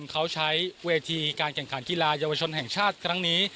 เขาใช้เวทีการแข่งขันกีฬาเยาวชนแห่งชาติครั้งนี้